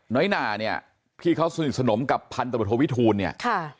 หนาเนี่ยที่เขาสนิทสนมกับพันธบทโทวิทูลเนี่ยค่ะ